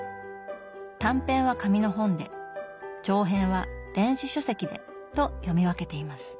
短編は紙の本で長編は電子書籍でと読み分けています。